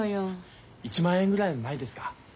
１万円ぐらいのないですか？